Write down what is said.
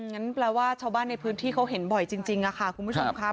งั้นแปลว่าชาวบ้านในพื้นที่เขาเห็นบ่อยจริงค่ะคุณผู้ชมครับ